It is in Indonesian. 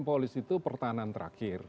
polis itu pertahanan terakhir